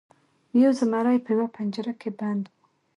یو زمری په یوه پنجره کې بند و.